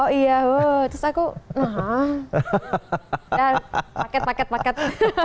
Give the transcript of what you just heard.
oh iya terus aku nah paket paket paket